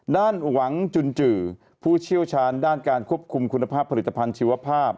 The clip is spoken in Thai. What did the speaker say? ด้านหวังจุนจือผู้เชี่ยวชาญด้านการควบคุมคุณภาพผลิตภัณฑ์ชีวภาพ